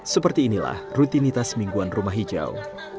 seperti inilah rutinitas mingguan rumah hijau